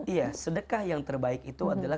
iya sedekah yang terbaik itu adalah